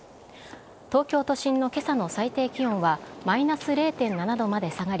東京都心の今朝の最低気温はマイナス０．７度まで下がり